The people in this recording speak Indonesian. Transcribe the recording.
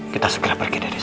kita segera pergi dari sini